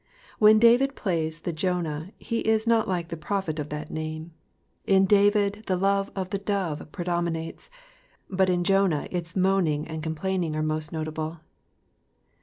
*' Wlien David plays the Jonah he is not like the prophet cf that name ; in David the love of the dove predominates, but in Jonah its moatiing and complaining are most notable.